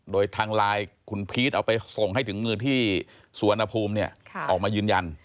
โดยทางไลน์คุณพีชเอาไปส่งให้ถึงมือที่สุวรรณภูมิออกมายืนยัน